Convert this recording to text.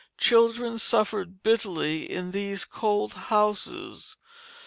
Children suffered bitterly in these cold houses.